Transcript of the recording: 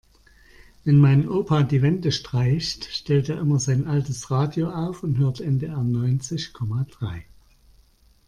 Wenn mein Opa die Wände streicht, stellt er immer sein altes Radio auf und hört NDR neunzig Komma drei.